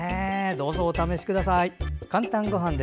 どうぞお試しください。